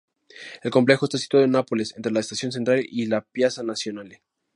El complejo está situado en Nápoles, entre la Estación Central, y la Piazza Nazionale.